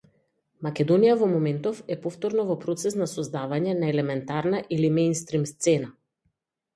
Македонија во моментов е повторно во процес на создавање на елементарна или меинстрим сцена.